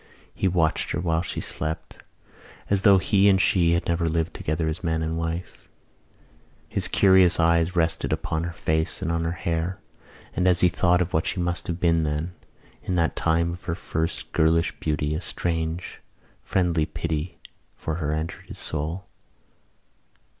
He watched her while she slept as though he and she had never lived together as man and wife. His curious eyes rested long upon her face and on her hair: and, as he thought of what she must have been then, in that time of her first girlish beauty, a strange, friendly pity for her entered his soul.